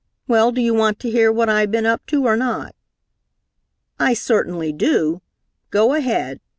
Well, do you want to hear what I have been up to or not?" "I certainly do! Go ahead.